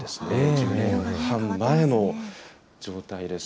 １０年半前の状態です。